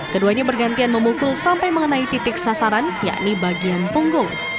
keduanya bergantian memukul sampai mengenai titik sasaran yakni bagian punggung